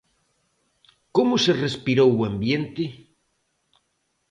Como se respirou o ambiente?